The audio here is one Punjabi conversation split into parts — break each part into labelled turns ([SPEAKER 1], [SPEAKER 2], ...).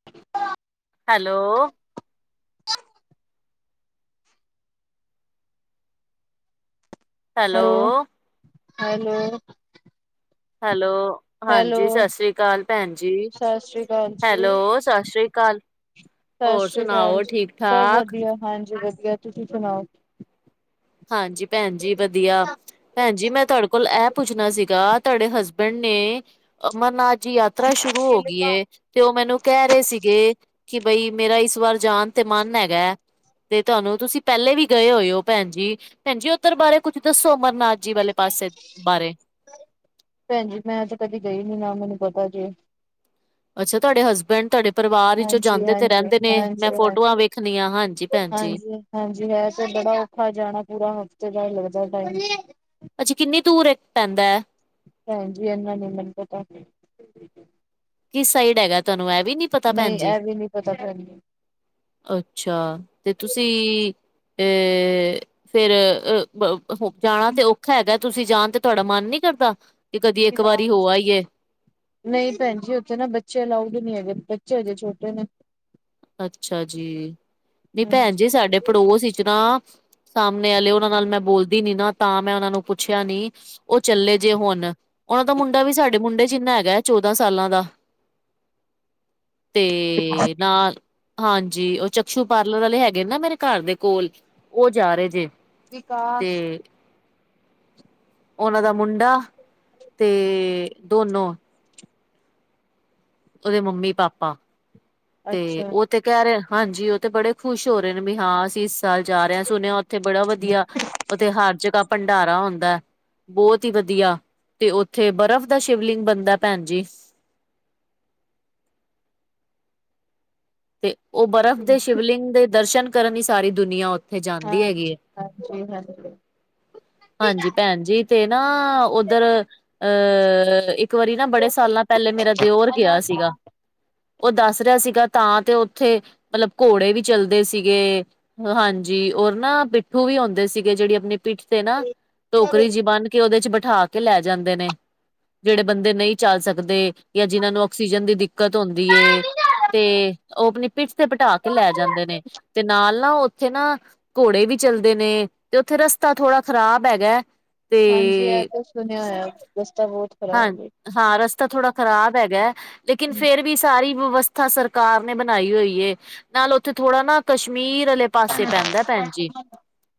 [SPEAKER 1] [inaudible]
[SPEAKER 2] Hello hello
[SPEAKER 1] hello
[SPEAKER 2] hello
[SPEAKER 1] hello
[SPEAKER 2] ਹਾਂਜੀ, ਸਸ ਸ੍ਰੀ ਕਾਲ ਭੈਨ ਜੀ,
[SPEAKER 1] ਸਤਿ ਸ੍ਰੀ ਅਕਾਲ ਜੀ,
[SPEAKER 2] ਹੈਲੋ ਸਸ ਸ੍ਰੀ ਕਾਲ
[SPEAKER 1] ਸਤਿ
[SPEAKER 2] ਹੋਰ
[SPEAKER 1] ਸ੍ਰੀ ਅਕਾਲ
[SPEAKER 2] ਸੁਣਾਓ,
[SPEAKER 1] ਜੀ।
[SPEAKER 2] ਠੀਕ
[SPEAKER 1] ਸਭ
[SPEAKER 2] ਠਾਕ?
[SPEAKER 1] ਵਧੀਆ ਹਾਂਜੀ ਵਧੀਆ ਤੁਸੀਂ ਸੁਣਾਓ?
[SPEAKER 2] ਹਾਂਜੀ ਭੈਨ ਜੀ, ਵਧੀਆ। ਭੈਨ ਜੀ ਮੈਂ ਤੁਹਾਡੇ ਕੋਲ ਐ ਪੁੱਛਨਾ ਸੀਗਾ ਤੁਹਾਡੇ ਹਸਬੈਂਡ ਨੇ ਅਮਰਨਾਥ ਜੀ ਯਾਤਰਾ ਸ਼ੁਰੂ ਹੋ ਗੀ ਏ ਤੇ ਉਹ ਮੈਨੂੰ ਕਹਿ ਰਹੇ ਸੀਗੇ, ਕਿ ਬਈ ਮੇਰਾ ਇਸ ਵਾਰ ਜਾਨ ਤੇ ਮਨ ਹੈਗੇ ਤੇ ਤੁਹਾਨੂੰ ਤੁਸੀਂ ਪਹਿਲੇ ਵੀ ਗਏ ਹੋਏ ਹੋ ਭੈਨ ਜੀ ਭੈਨਜੀ ਉੱਧਰ ਬਾਰੇ ਕੁੱਛ ਦੱਸੋ ਅਮਰਨਾਥ ਜੀ ਵਾਲੇ ਪਾਸੇ ਬਾਰੇ
[SPEAKER 1] ਭੈਨਜੀ ਮੈਂ ਤੇ ਕਦੀ ਗਈ ਨੀ, ਨਾ ਮੈਨੂੰ ਪਤਾ ਜੇ
[SPEAKER 2] ਅੱਛਾ, ਤੁਹਾਡੇ ਹਸਬੈਂਡ ਤੁਹਡ ਪਰਿਵਾਰ ਵਿਚੋਂ
[SPEAKER 1] ਹਾਂਜੀ,
[SPEAKER 2] ਜਾਂਦੇ ਤੇ
[SPEAKER 1] ਹਾਂਜੀ,
[SPEAKER 2] ਰਹਿੰਦੇ ਨੇ ਮੈਂ
[SPEAKER 1] ਹਾਂਜੀ,
[SPEAKER 2] ਫੋਟੋਆਂ
[SPEAKER 1] ਹਾਂਜੀ।
[SPEAKER 2] ਵੇਖਨੀਆਂ, ਹਾਂਜੀ ਭੈਨ ਜੀ
[SPEAKER 1] ਹਾਂਜੀ, ਹਾਂਜੀ ਹੈ ਤੇ ਬੜਾ ਔਖਾ ਜਾਣਾ ਪੂਰਾ ਹਫ਼ਤੇ ਦਾ ਲੱਗਦੇ ਟਾਈਮ
[SPEAKER 2] ਅੱਛੀ ਕਿੰਨੀ ਦੂਰ ਏ ਪੈਂਦੇ?
[SPEAKER 1] ਭੈਨ ਜੀ ਏਹਨਾਂ ਨੀ ਮੈਨੂੰ ਪਤਾ
[SPEAKER 2] ਕਿਸ ਸਾਈਡ ਹੈਗਾ ਤੁਹਾਨੂੰ ਇਹ ਵੀ ਨੀ ਪਤਾ
[SPEAKER 1] ਨਹੀਂ,
[SPEAKER 2] ਭੈਣ ਜੀ
[SPEAKER 1] ਇਹ ਵੀ ਨੀ ਪਤਾ ਭੈਨਜੀ
[SPEAKER 2] ਅੱਛਾ, ਤੇ ਤੁਸੀਂ ਅ ਫਿਰ ਅ ਜਾਣਾ ਤੇ ਔਖਾ ਹੈਗਾ ਤੁਸੀਂ ਜਾਣ ਤੇ ਤੁਹਾਡਾ ਮਨ ਨੀ ਕਰਦਾ, ਵੀ ਕਦੀ ਇੱਕ ਵਾਰੀ ਹੋ ਆਈਏ?
[SPEAKER 1] ਨਹੀਂ ਭੈਨ ਜੀ ਉੱਥੇ ਨਾ ਬੱਚੇ ਅਲਾਊਡ ਹੀ ਨੀ ਹੈਗੇ ਬੱਚੇ ਹਜੇ ਛੋਟੇ ਨੇ
[SPEAKER 2] ਅੱਛਾ ਜੀ, ਨੀ ਭੈਨ ਜੀ ਸਾਡੇ ਪੜੋਸ ਚ ਨਾ ਸਾਹਮਨੇ ਆਲੇ ਮੈ ਉਹਨਾਂ ਨਾਲ ਮੈਂ ਬੋਲਦੀ ਨੀ ਨਾ ਤਾਂ ਮੈਂ ਉਹਨਾਂ ਨੂੰ ਪੁੱਛਿਆ ਨੀ ਉਹ ਚੱਲੇ ਜੇ ਹੋਨ, ਉਹਨਾਂ ਦਾ ਮੁੰਡਾ ਵੀ ਸਾਡੇ ਮੁੰਡੇ ਜਿਨਾ ਹੈਗਾ ਹੈ ਚੋਦਾਂ ਸਾਲਾਂ ਦਾ ਤੇ ਨਾਲ ਹਾਂਜੀ ਉਹ ਚਕਸ਼ੂ ਪਾਰਲਰ ਵਾਲੇ ਹੈਗੇ ਨਾ ਮੇਰੇ ਘਰ ਦੇ ਕੋਲ ਉਹ ਜਾ ਰਹੇ ਜੇ ਤੇ
[SPEAKER 1] ਵਿਕਾਸ
[SPEAKER 2] ਉਹਨਾਂ ਦਾ ਮੁੰਡਾ ਤੇ ਦੋਨੋ ਉਹਦੇ ਮੰਮੀ ਪਾਪਾ ਤੇ
[SPEAKER 1] ਅੱਛਾ।
[SPEAKER 2] ਉਹ ਤੇ ਕਹਿ ਰਹੇ ਹਾਂਜੀ ਉਹ ਤੇ ਬੜੇ ਖੁਸ਼ ਹੋ ਰਹੇ ਨੇ ਵੀ ਹਾਂ ਅਸੀਂ ਸਾਲ ਜਾ ਰਿਹਾ ਸੁਣਿਆ ਉੱਥੇ ਬੜਾ ਵਧੀਆ ਉੱਥੇ ਹਰ ਜਗ੍ਹਾ ਭੰਡਾਰਾ ਹੁੰਦੇ ਬਹੁਤ ਹੀ ਵਧੀਆ ਤੇ ਉੱਥੇ ਬਰਫ਼ ਦਾ ਸ਼ਿਵਲਿੰਗ ਬਨਦੇ ਭੈਨ ਜੀ ਤੇ ਉਹ ਬਰਫ਼ ਦੇ ਸ਼ਿਵਲਿੰਗ ਦੇ ਦਰਸ਼ਨ ਕਰਨ ਹੀ ਸਾਰੀ ਦੁਨੀਆਂ ਉ
[SPEAKER 1] ਹਾਂਜੀ ਹਾਂਜੀ ਹਾਂਜੀ
[SPEAKER 2] ਹਾਂਜੀ ਭੈਣ ਜੀ ਤੇ ਨਾ ਉੱਧਰ ਅਹ ਇੱਕ ਵਾਰੀ ਨਾ ਬੜੇ ਸਾਲਾਂ ਪਹਿਲੇ ਮੇਰਾ ਦਿਓਰ ਗਿਆ ਸੀਗਾ ਉਹ ਦੱਸ ਰਿਹਾ ਸੀਗਾ ਤਾਂ ਤੇ ਉੱਥੇ ਮਤਲਬ ਘੋੜੇ ਵੀ ਚੱਲਦੇ ਸੀਗੇ ਹਾਂਜੀ ਔਰ ਨਾ ਪਿੱਠੂ ਵੀ ਹੂੰਦੇ ਸੀਗੇ, ਜੇਹੜੀ ਅਪਨੀ ਪਿੱਠ ਤੇ ਨਾ ਟੋਕਰੀ ਜਿ ਬੰਨ੍ਹ ਕੇ ਉਹਦੇ ਚ ਬਿਠਾ ਕੇ ਲੈ ਜਾਂਦੇ ਨੇ ਜਿਹੜੇ ਬੰਦੇ ਨਹੀਂ ਚੱਲ ਸਕਦੇ ਯਾ ਜਿਹਨਾਂ ਨੂੰ ਆਕਸੀਜਨ ਦੀ ਦਿੱਕਤ ਹੁੰਦੀ ਤੇ ਉਹ ਅਪਨੀ ਪਿੱਠ ਤੇ ਬਿਠਾ ਕੇ ਲੈ ਜਾਂਦੇ ਨੇ ਤੇ ਨਾਲ ਨਾ ਉੱਥੇ ਨਾ ਘੋੜੇ ਵੀ ਚੱਲਦੇ ਨੇ ਤੇ ਉੱਥੇ ਰਸਤਾ ਥੋੜ੍ਹਾ ਖ਼ਰਾਬ ਹੈਗੇ
[SPEAKER 1] ਹਾਂਜੀ ਇਹ ਤੇ ਸੁਣਿਆ ਹੋਇਆ ਰਸਤਾ ਬਹੁਤ
[SPEAKER 2] ਹਾਂ
[SPEAKER 1] ਖ਼ਰਾਬ ਏ।
[SPEAKER 2] ਹਾਂ ਰਸਤਾ ਥੋੜ੍ਹਾ ਖ਼ਰਾਬ ਹੈਗੇ ਲੇਕਿਨ ਫੇਰ ਵੀ ਸਾਰੀ ਵਿਵਸਥਾ ਸਰਕਾਰ ਨੇ ਬਨਾਈ ਹੋਈ ਏ ਨਾਲ ਉੱਥੇ ਥੋੜ੍ਹਾ ਨਾ ਕਸ਼ਮੀਰ ਆਲੇ ਪਾਸੇ ਪੈਂਦੇ ਭੈਨ ਜੀ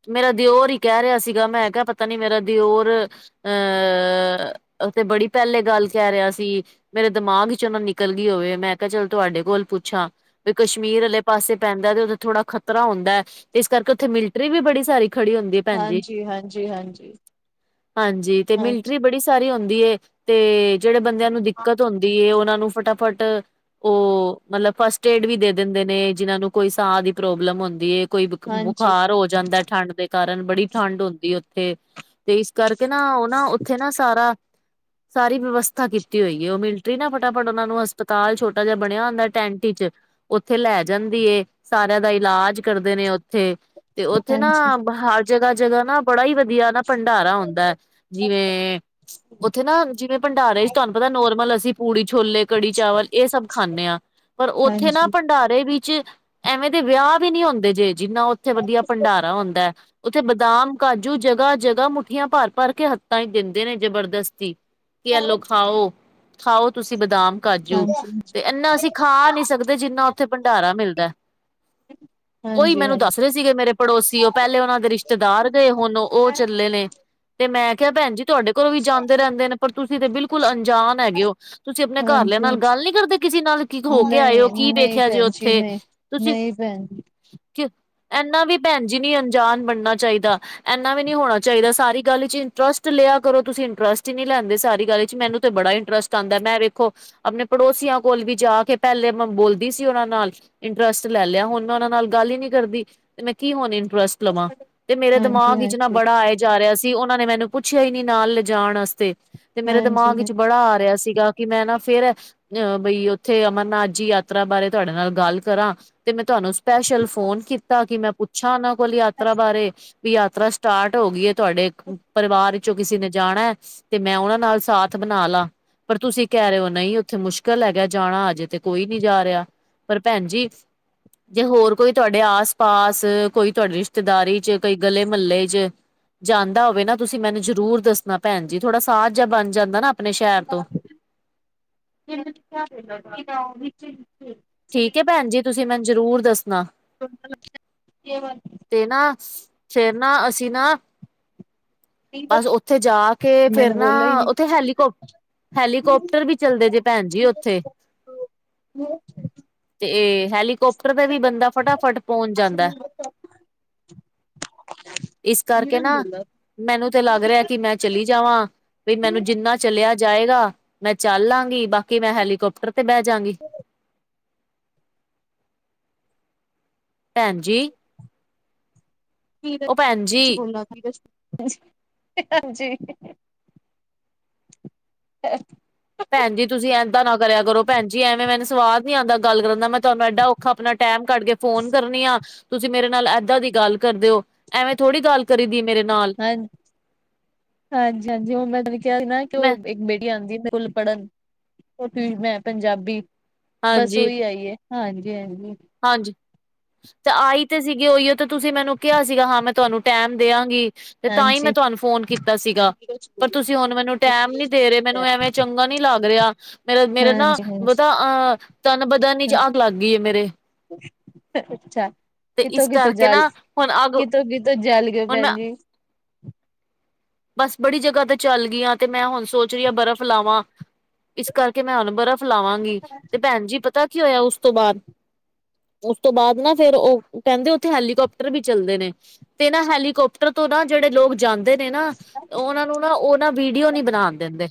[SPEAKER 2] ਮੇਰਾ ਦਿਓਰ ਹੀ ਕਹਿ ਰਿਹਾ ਸੀਗਾ ਮੈਂ ਕਿਹਾ ਪਤਾ ਨੀ ਮੇਰਾ ਦਿਓਰ ਅਹ ਉਥੇ ਬੜੀ ਪਹਿਲੇ ਗੱਲ ਕਹਿ ਰਿਹਾ ਸੀ ਮੇਰੇ ਦਿਮਾਗ ਚ ਉਹਨੂੰ ਨਿਕਲ ਗਈ ਹੋਵੇ ਮੈਂ ਕਿਹਾ ਚੱਲ ਤੁਹਾਡੇ ਕੋਲ ਪੁੱਛਾਂ ਵੀ ਕਸ਼ਮੀਰ ਵਾਲੇ ਪਾਸੇ ਪੈਂਦਾ ਤੇ ਉਥੇ ਥੋੜ੍ਹਾ ਖ਼ਤਰਾ ਹੁੰਦਾ ਹੈ ਤੇ ਇਸ ਕਰਕੇ ਉੱਥੇ ਮਿਲਟਰੀ ਵੀ ਬੜੀ ਸਾਰੀ ਖੜੀ ਹੁੰਦੀ ਹੈ ਭੈਣਜੀ
[SPEAKER 1] ਹਾਂਜੀ ਹਾਂਜੀ ਹਾਂਜੀ
[SPEAKER 2] ਹਾਂਜੀ ਤੇ
[SPEAKER 1] ਹਾਂਜੀ ਹਾਂਜੀ
[SPEAKER 2] ਮਿਲਟਰੀ ਬੜੀ ਸਾਰੀ ਹੁੰਦੀ ਹੈ ਤੇ ਜਿਹੜੇ ਬੰਦਿਆਂ ਨੂੰ ਦਿੱਕਤ ਹੁੰਦੀ ਏ ਉਹਨਾਂ ਨੂੰ ਫਟਾਫਟ ਉਹ ਮਤਲਬ ਫਸਟ ਏਡ ਵੀ ਦੇ ਦਿੰਦੇ ਨੇ ਜਿਹਨਾਂ ਨੂੰ ਕੋਈ ਸਾਹ ਦੀ ਪ੍ਰੋਬਲਮ ਹੁੰਦੀ ਕੋਈ
[SPEAKER 1] ਹਾਂਜੀ
[SPEAKER 2] ਬੁਖਾਰ ਹੋ ਜਾਂਦਾ ਠੰਢ ਦੇ ਕਾਰਨ ਬੜੀ ਠੰਢ ਹੁੰਦੀ ਉੱਥੇ ਤੇ ਇਸ ਕਰਕੇ ਨਾ ਉਹ ਨਾ ਉੱਥੇ ਨਾ ਸਾਰਾ ਸਾਰੀ ਵਿਵਸਥਾ ਕੀਤੀ ਹੋਈ ਹੈ ਉਹ ਮਿਲਟਰੀ ਨਾ ਫਟਾਫਟ ਉਹਨਾਂ ਨੂੰ ਹਸਪਤਾਲ ਛੋਟਾ ਜਿਹਾ ਬਣਿਆ ਹੁੰਦਾ ਟੈਂਟ ਚ ਉੱਥੇ ਲੈ ਜਾਂਦੀ ਏ ਸਾਰਿਆਂ ਦਾ ਇਲਾਜ ਕਰਦੇ ਨੇ ਉੱਥੇ ਤੇ ਉੱਥੇ ਨਾ
[SPEAKER 1] ਹਾਂਜੀ ਹਾਂਜੀ
[SPEAKER 2] ਹਰ ਜਗ੍ਹਾ ਜਗ੍ਹਾ ਨਾ ਬੜਾ ਹੀ ਵਧੀਆ ਨਾ ਭੰਡਾਰਾ ਹੁੰਦਾ ਹੈ ਜਿਵੇਂ ਉੱਥੇ ਨਾ ਜਿਵੇਂ ਭੰਡਾਰੇ ਤੁਹਾਨੂੰ ਪਤਾ ਨੋਰਮਲ ਅਸੀਂ ਪੂੜੀ ਛੋਲੇ ਕੜੀ ਚਾਵਲ ਇਹ ਸਭ ਖਾਂਦੇ ਹਾਂ ਪਰ ਉੱਥੇ ਨਾ
[SPEAKER 1] ਹਾਂਜੀ
[SPEAKER 2] ਭੰਡਾਰੇ ਵੀ ਵਿੱਚ ਐਵੇਂ ਦੇ ਵਿਆਹ ਵੀ ਨੀ ਹੁੰਦੇ ਜੇ ਜਿੰਨਾ ਉੱਥੇ ਵਧੀਆ ਭੰਡਾਰਾ ਹੁੰਦਾ ਉੱਥੇ ਬਦਾਮ ਕਾਜੂ ਜਗ੍ਹਾ ਜਗ੍ਹਾ ਮੁੱਠੀਆਂ ਭਰ ਭਰ ਕੇ ਹੱਥਾਂ ਦਿੰਦੇ ਨੇ ਜਬਰਦਸਤੀ ਕਿ ਐਲੋ ਖਾਓ ਖਾਓ ਤੁਸੀਂ ਬਦਾਮ ਕਾਜੂ ਤੇ ਇਨਾ ਅਸੀਂ ਖਾ ਨਹੀਂ ਸਕਦੇ ਜਿੰਨਾ ਉੱਥੇ ਭੰਡਾਰਾ ਮਿਲਦਾ। ਉਹੀ ਮੈਨੂੰ ਦੱਸ
[SPEAKER 1] ਹਾਂਜੀ
[SPEAKER 2] ਰਹੇ ਸੀਗੇ ਮੇਰੇ ਪੜੋਸੀ ਉਹ ਪਹਿਲੇ ਉਹਨਾਂ ਦੇ ਰਿਸ਼ਤੇਦਾਰ ਗਏ ਹੁਣ ਉਹ ਚੱਲੇ ਨੇ ਤੇ ਮੈਂ ਕਿਹਾ ਭੈਣ ਜੀ ਤੁਹਾਡੇ ੋਂ ਵੀ ਜਾਂਦੇ ਰਹਿੰਦੇ ਨੇ ਪਰ ਤੁਸੀਂ ਤੇ ਬਿਲਕੁਲ ਅਣਜਾਨ ਹੈਗੇ ਹੋ ਤੁਸੀਂ ਆਪਣੇ ਘਰਲਿਆਂ
[SPEAKER 1] ਹਾਂਜੀ
[SPEAKER 2] ਨਾਲ
[SPEAKER 1] ਹਾਂਜੀ
[SPEAKER 2] ਗੱਲ ਨੀ ਕਰਦੇ ਕਿਸੇ ਨਾਲ ਕੀ ਹੋ ਕੇ ਆਏਓ
[SPEAKER 1] ਨਹੀਂ
[SPEAKER 2] ਕੀ
[SPEAKER 1] ਨਹੀਂ
[SPEAKER 2] ਦੇੇਖਿਆ ਜੇ
[SPEAKER 1] ਭੈਣ ਜੀ
[SPEAKER 2] ਉੱਥੇ
[SPEAKER 1] ਨਹੀਂ
[SPEAKER 2] ਤੁਸੀਂ
[SPEAKER 1] ਨਹੀਂ ਭੈਣ ਜੀ
[SPEAKER 2] ਕਿ ਇਨਾ ਵੀ ਭੈਣ ਜੀ ਨੀ ਅਣਜਾਣ ਬਣਨਾ ਚਾਹੀਦਾ ਇੰਨਾ ਵੀ ਨਹੀਂ ਹੋਣਾ ਚਾਹੀਦਾ ਸਾਰੀ ਗੱਲ ਚ ਇੰਟਰਸਟ ਲਿਆ ਕਰੋ ਤੁਸੀਂ ਇੰਟਰਸਟ ਹੀ ਨਹੀਂ ਲੈਂਦੇ ਸਾਰੀ ਗੱਲ ਚ ਮੈਨੂੰ ਤੇ ਬੜਾ ਇੰਟਰਸ ਆਉਂਦਾ ਮੈਂ ਵੇਖੋ ਆਪਣੇ ਪੜੋਸੀਆਂ ਕੋਲ ਵੀ ਜਾ ਕੇ ਪਹਿਲੇ ਬੋਲਦੀ ਸੀ ਉਹਨਾਂ ਨਾਲ ਇੰਟਰਸਟ ਲੈ ਲਿਆ ਹੁਣ ਮੈਂ ਉਹਨਾਂ ਨਾਲ ਗੱਲ ਹੀ ਨੀ ਕਰਦੀ ਤੇ ਮੈਂ ਕੀ ਹੋਣ ਇੰਟਰਸਟ ਮਲਵਾਂ ਤੇ ਮੇਰੇ ਦਿਮਾਗ ਵਿਚ ਨਾ
[SPEAKER 1] ਹਾਂਜੀ
[SPEAKER 2] ਬੜਾ ਆਏ ਜਾ ਰਿਹਾ ਸੀ ਉਹਨਾਂ ਨੇ ਮੈਨੂੰ ਪੁੱਛਿਆ ਹੀ ਨਾਲ ਲਿਜਾਣ ਵਾਸਤੇ ਤੇ ਮੇਰੇ
[SPEAKER 1] ਹਾਂਜੀ
[SPEAKER 2] ਦਿਮਾਗ
[SPEAKER 1] ਹਾਂਜੀ
[SPEAKER 2] ਵਿੱਚ
[SPEAKER 1] ਹ
[SPEAKER 2] ਬੜਾ ਆ ਰਿਹਾ ਸੀਗਾ ਕਿ ਮੈਂ ਨਾ ਫਿਰ ਅ ਬਈ ਉੱਥੇ ਅਮਰਨਾਥ ਜੀ ਯਾਤਰਾ ਬਾਰੇ ਤੁਹਾਡੇ ਨਾਲ ਗੱਲ ਕਰਾਂ ਤੇ ਮੈਂ ਤੁਹਾਨੂੰ ਸਪੈਸ਼ਲ ਫੋਨ ਕੀਤਾ ਕਿ ਮੈਂ ਪੁੱਛਾਂ ਉਹਨਾਂ ਕੋਲ ਯਾਤਰਾ ਬਾਰੇ ਵੀ ਯਾਤਰਾ ਸਟਾਰਟ ਹੋ ਗਈ ਹੈ ਤੁਹਾਡੇ ਪਰਿਵਾਰ ਕਿਸੇ ਨੇ ਜਾਣਾ ਹੈ ਤੇ ਮੈਂ ਉਹਨਾਂ ਨਾਲ ਸਾਥ ਬਣਾ ਲਾ ਪਰ ਤੁਸੀਂ ਕਹਿ ਰਹੇ ਹੋ ਨਹੀਂ ਉੱਥੇ ਮੁਸ਼ਕਿਲ ਹੈਗਾ ਜਾਣਾ ਅਜੇ ਤੇ ਕੋਈ ਨਹੀਂ ਜਾ ਰਿਹਾ। ਪਰ ਭੈਣ ਜੀ ਜੇ ਹੋਰ ਕੋਈ ਤੁਹਾਡੇ ਆਸ ਪਾਸ ਕੋਈ ਤੁਹਾਡੀ ਰਿਸ਼ਤੇਦਾਰੀ ਚ ਕੋਈ ਗਲੇ ਮਹੱਲੇ ਚ ਜਾਂਦਾ ਹੋਵੇ ਨਾ ਤੁਸੀਂ ਮੈਨੂੰ ਜ਼ਰੂਰ ਦੱਸਣਾ ਭੈਣ ਜੀ ਥੋੜਾ ਸਾਹ ਜਾਹਾ ਬਣ ਜਾਂਦਾ ਨਾ ਆਪਣੇ ਸ਼ਹਿਰ ਤੋਂ
[SPEAKER 1] [unintelligible]
[SPEAKER 2] ਠੀਕ ਏ ਭੈਣ ਜੀ ਤੁਸੀਂ ਮੈਨੂੰ ਜ਼ਰੂਰ ਦੱਸਣਾ
[SPEAKER 1] [inaudible]
[SPEAKER 2] ਤੇ ਨਾ ਫੇਰ ਨਾ ਅਸੀਂ ਨਾ ਬਸ ਉੱਥੇ ਜਾ ਕੇ ਫੇਰ ਨਾ ਉੱਥੇ ਹੈਲੀਕੋਪ ਹੈਲੀਕੋਪਟਰ ਵੀ ਚੱਲਦੇ ਜੇ ਭੈਣ ਜੀ ਉੱਥੇ ਤੇ ਹੈਲੀਕਾਪਟਰ ਦਾ ਵੀ ਬੰਦਾ ਫਟਾਫਟ ਪਹੁੰਚ ਜਾਂਦਾ ਇਸ ਕਰਕੇ ਨਾ ਮੈਨੂੰ ਤੇ ਲੱਗ ਰਿਹਾ ਕਿ ਮੈਂ ਚਲੀ ਜਾਵਾਂ ਵੀ ਮੈਨੂੰ ਜਿੰਨਾ ਚਲਿਆ ਜਾਏਗਾ ਮੈਂ ਚੱਲ ਲਾਂਗੀ ਬਾਕੀ ਮੈਂ ਹੈਲੀਕੋਪਟਰ ਤੇ ਬਹਿ ਜਾਂਗੀ ਭੈਣ ਜੀ ਉਹ ਭੈਣ ਜੀ
[SPEAKER 1] ਬੋਲਾ ਹਾਂਜੀ ਅ
[SPEAKER 2] ਭੈਣ ਜੀ ਤੁਸੀਂ ਇਦਾਂ ਨਾ ਕਰਿਆ ਕਰੋ ਭੈਣ ਜੀ ਐਵੇਂ ਮੈਨੂੰ ਸਵਾਦ ਨੀ ਆਉਂਦਾ ਗੱਲ ਕਰਨ ਦਾ ਮੈਂ ਤੁਹਾਨੂੰ ਏਡਾ ਔਖਾ ਆਪਣਾ ਟੈਮ ਕੱਢ ਕੇ ਫੋਨ ਕਰਨੀ ਆ ਤੁਸੀਂ ਮੇਰੇ ਨਾਲ ਇੱਦਾਂ ਦੀ ਗੱਲ ਕਰਦੇ ਹੋ ਐਵੇਂ ਥੋੜੀ ਗੱਲ ਕਰੀ ਦੀ ਮੇਰੇ ਨਾਲ
[SPEAKER 1] ਹਾਂਜੀ ਹਾਂਜੀ ਹਾਂਜੀ ਉਹ ਮੈਂ ਕਿਹਾ ਸੀ ਨਾ ਕਿ
[SPEAKER 2] ਮੈਂ
[SPEAKER 1] ਉਹ ਇੱਕ ਬੇੜੀ ਆਉਂਦੀ ਸਕੁਲ ਪੜ੍ਹਨ ਮੈਂ ਪੰਜਾਬੀ ਬਸ
[SPEAKER 2] ਹਾਂਜੀ
[SPEAKER 1] ਉਹੀ ਆਈਏ ਹਾਂਜੀ ਹਾਂਜੀ
[SPEAKER 2] ਹਾਂਜੀ ਤੇ ਆਈ ਤੇ ਸੀਗੀ ਉਹੀਓ ਤੇ ਤੁਸੀਂ ਮੈਨੂੰ ਕਿਹਾ ਸੀਗਾ ਹਾਂ ਮੈਂ ਤੁਹਾਨੂੰ ਟੈਮ ਦਿਆਂਗੀ ਤੇ ਤਾਂ ਹੀ ਮੈਂ
[SPEAKER 1] ਹਾਂਜੀ
[SPEAKER 2] ਤੁਹਾਨੂੰ ਫੋਨ ਕੀਤਾ ਸੀਗਾ ਪਰ ਤੁਸੀਂ ਹੁਣ ਮੈਨੂੰ ਟੈਮ ਨੀ ਦੇ ਰਹੇ ਮੈਨੂੰ ਐਵੇਂ ਚੰਗਾ ਨੀ ਲੱਗ ਰਿਹਾ ਮੇਰਾ ਮੇਰਾ ਨਾ
[SPEAKER 1] ਹਾਂਜੀ ਹਾਂਜੀ
[SPEAKER 2] ਮਤਾ ਅਹ ਤਨ ਬਦਨੀ ਚ ਅੱਗ ਲੱਗ ਗਈ ਹੈ ਮੇਰੇ
[SPEAKER 1] ਅੱਛਾ
[SPEAKER 2] ਤੇ
[SPEAKER 1] ਕਿੱਥੋਂ
[SPEAKER 2] ਇਸ
[SPEAKER 1] ਕਿੱਥੋਂ
[SPEAKER 2] ਕਰਕੇ
[SPEAKER 1] ਜਲ
[SPEAKER 2] ਨਾ ਹੁਣ ਅੱਗ
[SPEAKER 1] ਕਿਥੋਂ ਕਿਥੋਂ ਜਲ ਗਓ
[SPEAKER 2] ਹੁਣ ਮੈਂ
[SPEAKER 1] ਭੈਣ ਜੀ
[SPEAKER 2] ਬਸ ਬੜੀ ਜਗ੍ਹਾ ਤੇ ਚੱਲ ਗਈਆਂ ਤੇ ਮੈਂ ਹੁਣ ਸੋਚ ਰਹੀ ਹਾਂ ਬਰਫ਼ ਲਾਵਾਂ ਇਸ ਕਰਕੇ ਮੈਂ ਬਰਫ ਲਾਵਾਂਗੀ ਤੇ ਭੈਣ ਜੀ ਪਤਾ ਕੀ ਹੋਇਆ ਉਸ ਤੋਂ ਬਾਅਦ ਉਸ ਤੋਂ ਬਾਅਦ ਨਾ ਫੇਿਰ ਉਹ ਕਹਿੰਦੇ ਉੱਥੇ ਹੈਲੀਕਾਪਟਰ ਵੀ ਚੱਲਦੇ ਨੇ ਤੇ ਇਹ ਹੈਲੀਕਾਪਟਰ ਤੋਂ ਨਾ ਜਿਹੜੇ ਲੋਕ ਜਾਂਦੇ ਨੇ ਨਾ ਉਹਨਾਂ ਨੂੰ ਨਾ ਉਹ ਨਾ ਵੀਡੀਓ ਨੀ ਬਣਾਉਣ ਦਿੰਦੇ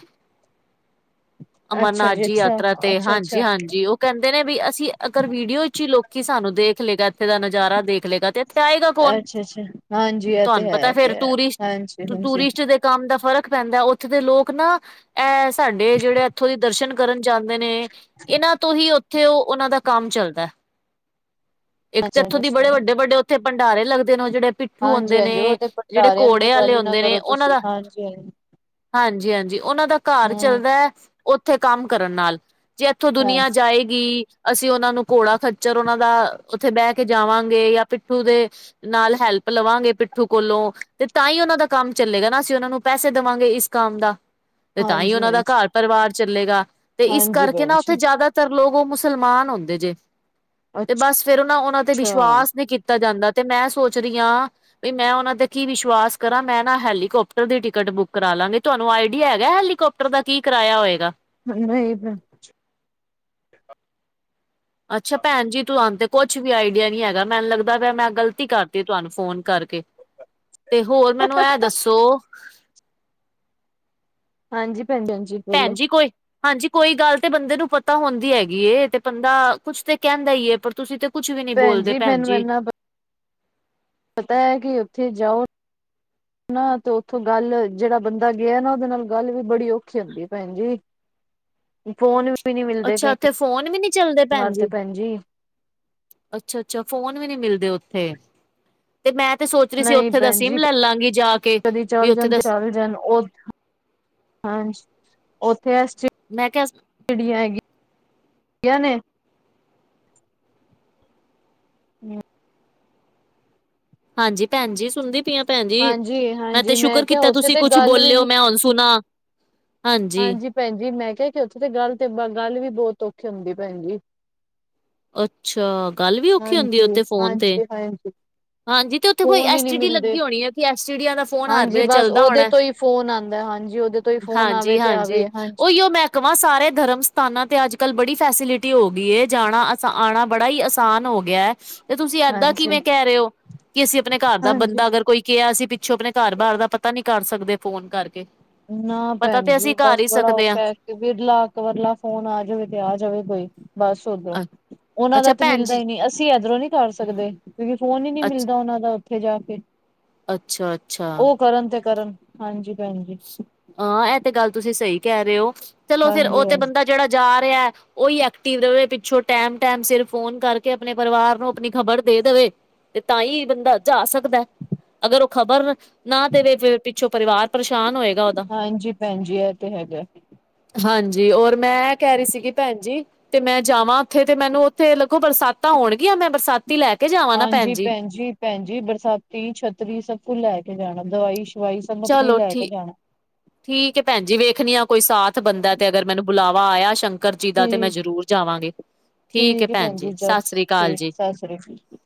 [SPEAKER 1] ਅੱਛਾ
[SPEAKER 2] ਅਮਰਨਾਥ ਜੀ
[SPEAKER 1] ਅੱਛਾ,
[SPEAKER 2] ਯਾਤਰਾ ਤੇ
[SPEAKER 1] ਅੱਛਾ ਅੱਛਾ,
[SPEAKER 2] ਹਾਂਜੀ ਹਾਂਜੀ ਕਹਿੰਦੇ ਨੇ ਵੀ ਅਸੀਂ ਅਗਰ ਵੀਡੀਓ ਚ ਹੀ ਲੋਕੀ ਸਾਨੂੰ ਦੇਖ ਲਏਗਾ ਇੱਥੇ ਦਾ ਨਜ਼ਾਰਾ ਦੇਖ ਲਏਗਾ ਤੇ ਇੱਥੇ ਆਏਗਾ ਕੌਣ
[SPEAKER 1] ਅੱਛਾ ਅੱਛਾ ਹਾਂਜੀ ਇਹ ਤੇ
[SPEAKER 2] ਤੁਹਾਨੂੰ ਪਤਾ
[SPEAKER 1] ਹੈ
[SPEAKER 2] ਫੇਰ
[SPEAKER 1] ਤੇ ਹੈ
[SPEAKER 2] ਟੂਰਿਸਟ
[SPEAKER 1] ਹਾਂਜੀ ਹਾਂਜੀ
[SPEAKER 2] ਟੂਰਿਸਟ ਦੇ ਕੰਮ ਦਾ ਫਰਕ ਪੈਂਦਾ ਉੱਥੇ ਦੇ ਲੋਕ ਨਾ ਇਹ ਸਾਡੇ ਜਿਹੜੇ ਇੱਥੋਂ ਦੀ ਦਰਸ਼ਨ ਕਰਨ ਜਾਂਦੇ ਨੇ ਇਹਨਾਂ ਤੋਂ ਹੀ ਉੱਥੇ ਉਹ ਉਹਨਾਂ ਦਾ ਕੰਮ ਚੱਲਦਾ ਇੱਕ ਤੇ ਇੱਥੋਂ ਦੀ ਬੜੇ ਵੱਡੇ ਵੱਡੇ ਉੱਥੇ ਭੰਡਾਰੇ ਲੱਗਦੇ ਉਹ ਜਿਹੜੇ ਪ ਇਥ
[SPEAKER 1] ਹਾਂਜੀ
[SPEAKER 2] ਹੁੰਦੇ ਨੇ
[SPEAKER 1] ਹਾਂਜੀ ਉਹ ਤੇ
[SPEAKER 2] ਜਿਹੜੇ
[SPEAKER 1] ਭੰਡਾਰਿਆਂ ਦੀ ਤੇ
[SPEAKER 2] ਘੋੜੇ ਵਾਲੇ
[SPEAKER 1] ਗੱਲ ਹੀ
[SPEAKER 2] ਹੁੰਦੇ
[SPEAKER 1] ਨਾ ਕਰੋ
[SPEAKER 2] ਉਹਨਾਂ
[SPEAKER 1] ਤੁਸੀਂ
[SPEAKER 2] ਦਾ
[SPEAKER 1] ਹਾਂਜੀ ਹਾਂਜੀ
[SPEAKER 2] ਹਾਂਜੀ ਹਾਂਜੀ ਉਹਨਾਂ ਦਾ ਘਰ
[SPEAKER 1] ਹੂੰ
[SPEAKER 2] ਚੱਲਦਾ ਉੱਥੇ ਕੰਮ ਕਰਨ ਨਾਲ ਜੇ ਇੱਥੋਂ ਦੁਨੀਆਂ
[SPEAKER 1] ਹਾਂਜੀ,
[SPEAKER 2] ਜਾਏਗੀ ਅਸੀਂ ਉਹਨਾਂ ਨੂੰ ਘੋੜਾ ਖਚਰ ਉਹਨਾਂ ਦਾ ਉੱਥੇ ਬਹਿ ਕੇ ਜਾਵਾਂਗੇ ਜਾਂ ਪਿੱਠੂ ਦੇ ਨਾਲ ਹੈਲਪ ਲਵਾਂਗੇ ਪਿੱਠੂ ਕੋਲੋਂ ਤੇ ਤਾਂ ਹੀ ਉਹਨਾਂ ਦਾ ਕੰਮ ਚੱਲੇਗਾ ਨਾ ਅਸੀਂ ਉਹਨਾਂ ਨੂੰ ਪੈਸੇ ਦੇਵਾਂਗੇ ਇਸ ਕੰਮ ਦਾ ਤੇ ਤਾਂ ਹੀ
[SPEAKER 1] ਹਾਂਜੀ
[SPEAKER 2] ਉਹਨਾਂ ਦਾ
[SPEAKER 1] ਹਾਂਜੀ,
[SPEAKER 2] ਘਰ ਪਰਿਵਾਰ ਚੱਲੇਗਾ ਤੇ ਇਸ
[SPEAKER 1] ਹਾਂਜੀ
[SPEAKER 2] ਕਰਕੇ
[SPEAKER 1] ਭੈਣ
[SPEAKER 2] ਨਾ ਉੱਥੇ
[SPEAKER 1] ਜੀ
[SPEAKER 2] ਜ਼ਿਆਦਾ ਤਰ ਲੋਕ ਉਹ ਮੁਸਲਮਾਨ ਹੁੰਦੇ ਜੇ ਤੇ ਬਸ ਫੇਿਰ ਉਹਨਾਂ ਉਨ੍ਹਾਂਨਾਂ ਤੇ
[SPEAKER 1] ਅੱਛਾ
[SPEAKER 2] ਵਿਸ਼ਵਾਸ ਨੇ ਦਿੱਤਾ ਜਾਂਦਾ ਤੇ ਮੈਂ ਸੋਚ ਰਹੀ ਹਾਂ ਵੀ ਮੈਂ ਉਹਨਾਂ ਤੇ ਕੀ ਵਿਸ਼ਵਾਸ ਕਰਾਂ ਮੈਂ ਹੈਲੀਕੋਪਟਰ ਦੀ ਟਿਕਟ ਬੁੱਕ ਕਰਾ ਲਾਂਗੇ ਤੁਹਾਨੂੰ ਆਈਡੀਆ ਹੈਗਾ ਹੈਲੀਕੋਪਟਰ ਦਾ ਕੀ ਕਿ ਕਰਇਆ ਹੋਏਗਾ
[SPEAKER 1] ਨਹੀਂ ਭੈਣ ਜੀ
[SPEAKER 2] ਅੱਛਾ ਭੈਣ ਜੀ ਤੁਹਾਨੂੰ ਤੇ ਕੁਛ ਵੀ ਆਈਡੀਆ ਨੀ ਹੈਗਾ ਮੈਨੂੰ ਲੱਗਦਾ ਪ ਮੈਂ ਗ਼ਲਤੀ ਕਰਤੀ ਤੁਹਾਨੂੰ ਫੋਨ ਕਰਕੇ ਤੇ ਹੋਰ ਮੈਨੂੰ ਇਹ ਦੱਸੋ
[SPEAKER 1] ਹਾਂਜੀ, ਭੈਣ ਜੀ ਹਾਂਜੀ।
[SPEAKER 2] ਭੈਣ ਜੀ ਕੋਈ ਹਾਂਜੀ ਕੋਈ ਗੱਲ ਤੇ ਬੰਦੇ ਨੂੰ ਪਤਾ ਹੁੰਦੀ ਹੈਗੀ ਏ, ਤੇ ਬੰਦਾ ਕੁਛ ਤੇ ਕਹਿੰਦਾ ਹੀ ਏ, ਪਰ ਤੁਸੀਂ ਤੇ ਕੁੱਛ ਵੀ ਨੀ ਬੋਲਦੇ ਭੈਣ ਜੀ
[SPEAKER 1] ਪਤਾ ਹੈ ਕਿ ਉੱਥੇ ਜਾਓ ਹਨ ਨਾ ਤੇ ਉੱਥੋਂ ਗੱਲ ਜਿਹੜਾ ਬੰਦਾ ਗਿਆ ਨਾ ਉਹਦੇ ਨਾਲ ਗੱਲ ਵੀ ਬੜੀ ਔਖੀ ਹੁੰਦੀ ਭੈਣ ਜੀ ਫੋਨ ਵੀ ਨੀ ਮਿਲਦੇ
[SPEAKER 2] ਅੱਛਾ
[SPEAKER 1] ਕਈ
[SPEAKER 2] ਉੱਥੇ ਫੋਨ ਵੀ ਨੀ ਚੱਲਦੇ ਭੈਣ ਜੀ ਅੱਛਾ ਅੱਛਾ ਫੋਨ ਵੀ ਨੀ ਮਿਲਦੇ ਉੱਥੇ ਤੇ ਮੈਂ ਤੇ ਸੋਚ ਰਹੀ ਸੀ
[SPEAKER 1] ਨਹੀਂ
[SPEAKER 2] ਉੱਥੇ ਦਾ
[SPEAKER 1] ਭੈਣ
[SPEAKER 2] ਸਿੰਮ
[SPEAKER 1] ਜੀ
[SPEAKER 2] ਲੈ ਲਾਂਗੀ ਜਾ ਕੇ
[SPEAKER 1] ਕਦੀ
[SPEAKER 2] ਵੀ
[SPEAKER 1] ਚੱਲ
[SPEAKER 2] ਉੱਥੇ
[SPEAKER 1] ਜਾਣ
[SPEAKER 2] ਦਾ
[SPEAKER 1] ਤੇ ਚੱਲ ਜਾਣ ਉਥ ਹਾਂਜੀ ਉੱਥੇ ਅਸੀ
[SPEAKER 2] ਮੈਂ ਕਿਹਾ
[SPEAKER 1] ਜਿਹੜੀਆਂ ਹੈਗੀ ਗੀਆਂ ਨੇ। ਹੂੰ,
[SPEAKER 2] ਹਾਂਜੀ, ਭੈਣ ਜੀ ਸੁਣਦੀ ਪ ਭੈਣ ਜੀ ਆਂ,
[SPEAKER 1] ਹਾਂਜੀ
[SPEAKER 2] ਮੈਂ ਤੇ
[SPEAKER 1] ਹਾਂਜੀ
[SPEAKER 2] ਸ਼ੁਕਰ
[SPEAKER 1] ਕਿਹਾ
[SPEAKER 2] ਕੀਤਾ
[SPEAKER 1] ਉੱਥੇ
[SPEAKER 2] ਤੁਸੀਂ
[SPEAKER 1] ਤੇ
[SPEAKER 2] ਕੁਛ
[SPEAKER 1] ਗੱਲ ਵੀ
[SPEAKER 2] ਬੋਲਿਓ,
[SPEAKER 1] ਨੀ
[SPEAKER 2] ਮੈਂ ਹੁਣ ਸੁਣਾ।
[SPEAKER 1] ਹਾਂਜੀ ਭੈਣ ਜੀ ਮੈਂ ਕਿਹਾ, ਕਿ ਉੱਥੇ ਤੇ ਗੱਲ ਤੇ ਗੱਲ ਵੀ ਬਹੁਤ ਔਖੀ ਹੁੰਦੀ ਭੈਣ ਜੀ।
[SPEAKER 2] ਅੱਛਾ ਗੱਲ ਵੀ ਔਖੀ ਹੁੰਦੀ ਐ,
[SPEAKER 1] ਹਾਂਜੀ
[SPEAKER 2] ਉੱਥੇ ਫੋਨ ਤੇ।
[SPEAKER 1] ਹਾਂਜੀ ਹਾਂਜੀ
[SPEAKER 2] ਹਾਂਜੀ ਤੇ ਉੱਥੇ ਕੋਈ
[SPEAKER 1] ਫੋਨ ਹੀ
[SPEAKER 2] ਐਸ
[SPEAKER 1] ਨੀ
[SPEAKER 2] ਟੀ ਡੀ
[SPEAKER 1] ਮਿਲਦੇ
[SPEAKER 2] ਲੱਗੀ ਹੋਣੀ ਏ, ਐਸ ਟੀ ਡੀਆਂ ਦਾ ਫੋਨ ਹਰ
[SPEAKER 1] ਹਾਂਜੀ
[SPEAKER 2] ਵੇਲੇ
[SPEAKER 1] ਬਸ
[SPEAKER 2] ਚੱਲਦਾ ਹੋਣਾ।
[SPEAKER 1] ਉਹਦੇ ਤੋਂ ਹੀ ਫੋਨ ਆਂਦਾ, ਹਾਂਜੀ ਉਹਦੇ ਤੋਂ ਹੀ ਫੋਨ ਆਵੇ। ਤੇ
[SPEAKER 2] ਹਾਂਜੀ
[SPEAKER 1] ਆਵੇ
[SPEAKER 2] ਉਹੀਓ ਮੈਂ ਕਵਾਂ, ਸਾਰੇ ਧਰਮ ਸਥਾਨਾਂ ਤੇ ਅੱਜ- ਕੱਲ੍ਹ ਬੜੀ ਫੈਸਲਿਟੀ ਹੋ ਗਈ ਏ, ਜਾਣਾ ਤਾਂ ਆਣਾ ਬੜਾ ਹੀ ਆਸਾਨ ਹੋ ਗਿਆ ਐ। ਤੇ ਤੁਸੀਂ ਏਦਾਂ
[SPEAKER 1] ਹਾਂਜੀ
[SPEAKER 2] ਕਿਵੇਂ ਕਹਿ ਰਹੇ ਹੋ, ਕਿ ਅਸੀਂ ਆਪਣੇ ਘਰ ਦਾ
[SPEAKER 1] ਹਾਂਜੀ
[SPEAKER 2] ਬੰਦਾ ਅਗਰ ਕੋਈ ਕਿਹਾ ਅਸੀਂ ਪਿੱਛੋਂ ਆਪਣੇ ਘਰ ਬਾਰ ਦਾ ਪਤਾ ਨੀ ਕਰ ਸਕਦੇ ਫੋਨ ਕਰਕੇ।
[SPEAKER 1] ਨਾ
[SPEAKER 2] ਪਤਾ
[SPEAKER 1] ਭੈਣ
[SPEAKER 2] ਤੇ
[SPEAKER 1] ਜੀ,
[SPEAKER 2] ਅਸੀਂ ਕਰ
[SPEAKER 1] ਬਸ
[SPEAKER 2] ਹੀ
[SPEAKER 1] ਬੜਾ
[SPEAKER 2] ਸਕਦੇ
[SPEAKER 1] ਔਖਾ। ਵਿਰਲਾ ਕ ਵਰਲਾ ਫੋਨ ਆ ਜਾਵੇ ਤੇ ਆ ਜਾਵੇ ਕੋਈ, ਬਸ। ਸਗੋ
[SPEAKER 2] ਹਾਂ
[SPEAKER 1] ਉਹਨਾਂ ਦਾ
[SPEAKER 2] ਅੱਛਾ
[SPEAKER 1] ਤੇ
[SPEAKER 2] ਭੈਣ
[SPEAKER 1] ਮਿਲਦਾ
[SPEAKER 2] ਜੀ
[SPEAKER 1] ਹੀ ਨਹੀਂ, ਅਸੀਂ ਇਧਰੋਂ ਨੀ ਕਰ ਸਕਦੇ। ਕਿਉਂਕਿ ਫੋਨ ਹੀ ਨਹੀਂ
[SPEAKER 2] ਅੱਛ
[SPEAKER 1] ਮਿਲਦਾ ਉਹਨਾਂ ਦਾ ਉੱਥੇ ਜਾ ਕੇ,
[SPEAKER 2] ਅੱਛਾ-ਅੱਛਾ।
[SPEAKER 1] ਉਹ ਕਰਨ ਤੇ ਕਰਨ। ਹਾਂਜੀ, ਭੈਣਜੀ।
[SPEAKER 2] ਹਾਂ ਇਹ ਤੇ ਗੱਲ ਤੁਸੀਂ ਸਹੀ ਕਹਿ ਰਹੇ ਹੋ, ਚਲੋ ਫੇਰ
[SPEAKER 1] ਹਾਂਜੀ
[SPEAKER 2] ਉਹ ਤੇ
[SPEAKER 1] ਹਾਂਜੀ
[SPEAKER 2] ਬੰਦਾ ਜਿਹੜਾ ਜਾ ਰਿਹਾ ਉਹੀ ਐਕਟਿਵ ਰਹੇ, ਪਿੱਛੋਂ ਟੈਮ- ਟੈਮ ਸਿਰ ਫੋਨ ਕਰਕੇ ਆਪਣੇ ਪਰਿਵਾਰ ਨੂੰ ਆਪਣੀ ਖ਼ਬਰ ਦੇ ਦੇਵੇ। ਤੇ ਤਾਂ ਹੀ ਬੰਦਾ ਜਾ ਸਕਦਾ, ਅਗਰ ਉਹ ਖ਼ਬਰ ਨਾ ਤੇਰੇ ਪਿੱਛੋਂ ਪਰਿਵਾਰ ਪਰੇਸ਼ਾਨ ਹੋਏ।
[SPEAKER 1] ਹਾਂਜੀ, ਭੈਣ ਜੀ ਇਹ ਤੇ ਹੈਗਾ।
[SPEAKER 2] ਹਾਂਜੀ, ਔਰ ਮੈਂ ਕਹਿ ਰਹੀ ਸੀਗੀ ਭੈਣ ਜੀ ਤੇ ਮੈਂ ਜਾਵਾਂ ਉੱਥੇ ਤੇ ਮੈਨੂੰ ਉੱਥੇ ਲੱਗੋ ਬਰਸਾਤਾਂ ਹੋਣਗੀਆਂ, ਮੈਂ ਬਰਸਾਤੀ ਲੈ ਕੇ ਜਾਵਾਂ ਨਾ ਭੈਣ ਜੀ।
[SPEAKER 1] ਭੈਣ ਜੀ ਬਰਸਾਤੀ, ਛਤਰੀ ਸਭ ਕੁ ਲੈ ਕੇ ਜਾਣਾ, ਦਵਾਈ ਸ਼ਵਾਈ ਸਭ ਆਪਣੀ
[SPEAKER 2] ਚਲੋ
[SPEAKER 1] ਲੈ ਕੇ
[SPEAKER 2] ਠੀ
[SPEAKER 1] ਜਾਣਾ
[SPEAKER 2] ਠੀਕ ਐ ਭੈਣ ਜੀ, ਵੇਖਣੀ ਆ ਕੋਈ ਸਾਥ ਬੰਦਾ ਤੇ ਅਗਰ ਮੈਨੂੰ ਬੁਲਾਵਾ ਆਇਆ, ਸ਼ੰਕ ਕਰ ਜੀ ਦਾ ਤੇ ਮੈਂ
[SPEAKER 1] ਠੀਕ
[SPEAKER 2] ਜ਼ਰੂਰ ਜਾਵਾਂਗੀ, ਠੀਕ ਭੈਣ ਜੀ ਸਸ ਰੀ ਕਾਲ ਜੀ।
[SPEAKER 1] ਅਰੇ ਫੀ [inaudible]